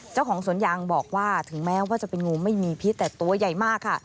เจ้าของสวนยางบอกว่าถึงแม้ว่าจะเป็นงูไม่มีพิษแต่ตัวใหญ่มากค่ะ